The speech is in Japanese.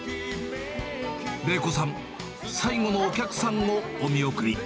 礼子さん、最後のお客さんのお見送り。